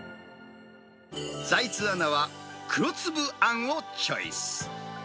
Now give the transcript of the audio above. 財津アナは、黒粒あんをチョイス。